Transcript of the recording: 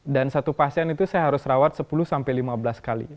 dan satu pasien itu saya harus rawat sepuluh lima belas kali